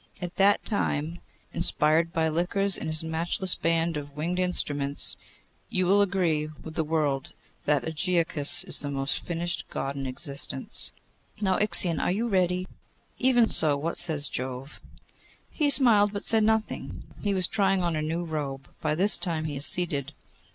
At that time, inspired by liqueurs and his matchless band of wind instruments, you will agree with the world that Ægiochus is the most finished God in existence.' 'Now, Ixion, are you ready?' 'Even so. What says Jove?' 'He smiled, but said nothing. He was trying on a new robe. By this time he is seated.